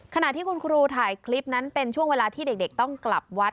ขณะที่คุณครูถ่ายคลิปนั้นเป็นช่วงเวลาที่เด็กต้องกลับวัด